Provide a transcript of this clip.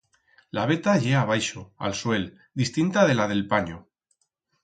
La veta ye abaixo, a'l suel, distinta de la d'el panyo.